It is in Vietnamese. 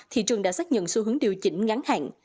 thị trường đã xác nhận xu hướng điều chỉnh ngắn hạn